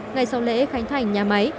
ngay sau lễ khánh thành nhà máy